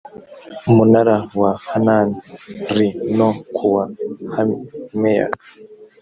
munara wa hanan li no ku wa hameya